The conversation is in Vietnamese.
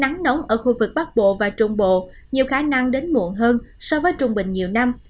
nắng nóng ở khu vực bắc bộ và trung bộ nhiều khả năng đến muộn hơn so với trung bình nhiều năm